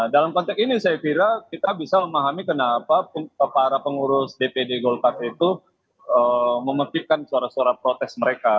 dalam konteks ini saya kira kita bisa memahami kenapa para pengurus dpd golkar itu memetikkan suara suara protes mereka